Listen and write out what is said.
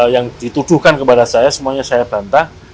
yang dituduhkan kepada saya semuanya saya bantah